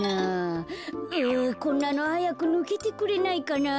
あこんなのはやくぬけてくれないかな。